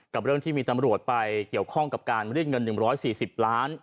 เรื่องที่มีตำรวจไปเกี่ยวข้องกับการรีดเงิน๑๔๐ล้าน